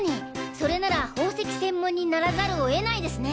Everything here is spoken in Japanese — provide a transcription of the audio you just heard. それなら宝石専門にならざるを得ないですね。